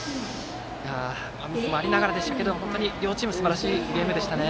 ミスもありながらでしたけども両チームすばらしいゲームでしたね。